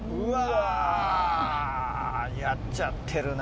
やっちゃってるな。